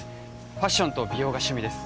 ファッションと美容が趣味です